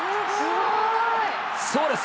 そうです。